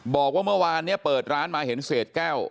บอกว่าเมื่อวานนี้เปิดร้านมาเห็นเศษแก้ว